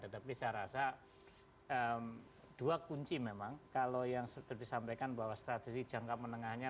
tetapi saya rasa dua kunci memang kalau yang sudah disampaikan bahwa strategi jangka menengahnya